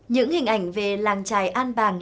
những hình ảnh về làng trài an bàng